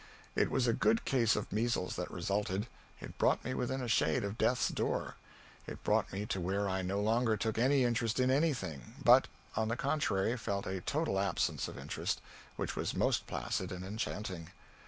It was a good case of measles that resulted. It brought me within a shade of death's door. It brought me to where I no longer took any interest in anything, but, on the contrary, felt a total absence of interest which was most placid and enchanting.